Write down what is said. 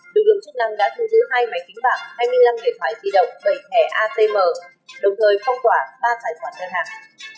đường dưỡng chức năng đã thu giữ hai máy kính bạc hai mươi năm điện thoại di động bảy thẻ atm đồng thời phong tỏa ba tài khoản đơn hạng